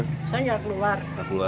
saya tidak keluar